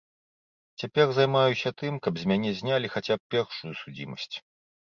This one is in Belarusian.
Цяпер займаюся тым, каб з мяне знялі хаця б першую судзімасць.